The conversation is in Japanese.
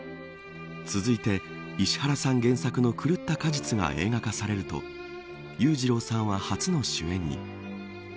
続いて、石原さん原作の狂った果実が映画化されると裕次郎さんは初の主演に。